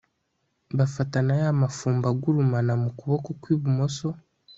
bafata na ya mafumba agurumana mu kuboko kw ibumoso